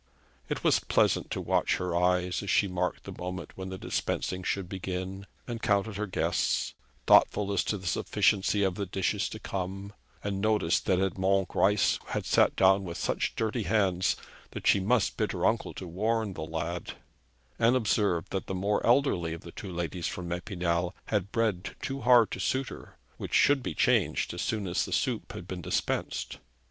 It was pleasant to watch her eyes, as she marked the moment when the dispensing should begin, and counted her guests, thoughtful as to the sufficiency of the dishes to come; and noticed that Edmond Greisse had sat down with such dirty hands that she must bid her uncle to warn the lad; and observed that the more elderly of the two ladies from Epinal had bread too hard to suit her, which should be changed as soon as the soup had been dispensed.